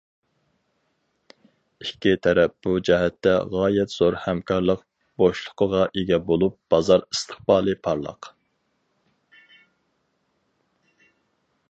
ئىككى تەرەپ بۇ جەھەتتە غايەت زور ھەمكارلىق بوشلۇقىغا ئىگە بولۇپ، بازار ئىستىقبالى پارلاق.